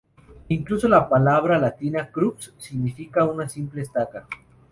Incluso la palabra latina "crux" significa una simple estaca.